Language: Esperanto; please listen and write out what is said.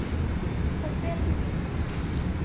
Forpeli min?